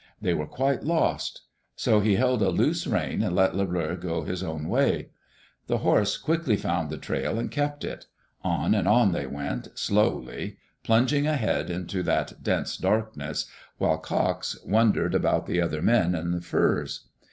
They were quite lost So he held a loose rein and let Le Bleu go his own way. The horse quickly found the trail and kept it On and on they went, slowly, plunging ahead into that dense darkness, while Cox wondered about the other men and the furs.